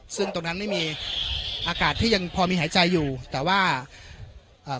ซึ่งตรงนั้นไม่มีอากาศที่ยังพอมีหายใจอยู่แต่ว่าเอ่อ